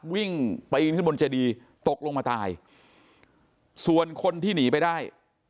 ปีนขึ้นบนเจดีตกลงมาตายส่วนคนที่หนีไปได้